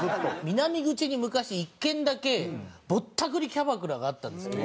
南口に昔１軒だけぼったくりキャバクラがあったんですよね。